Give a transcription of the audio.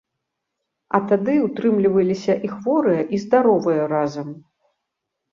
А тады ўтрымліваліся і хворыя, і здаровыя разам.